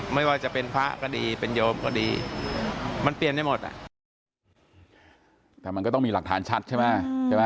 มันเปลี่ยนนิสัยคนได้